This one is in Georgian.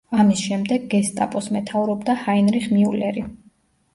ამის შემდეგ გესტაპოს მეთაურობდა ჰაინრიხ მიულერი.